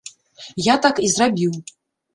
Я так і зрабіў.